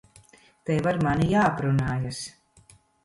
Tev ar mani jāaprunājas.